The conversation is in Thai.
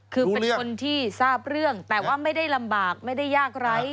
คือเป็นคนที่ทราบเรื่องแต่ว่าไม่ได้ลำบากไม่ได้ยากไร้